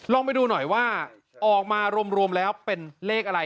ลองไปดูหน่อยว่าออกมารวมแล้วเป็นเลขอะไร